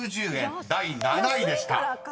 ［第７位でした。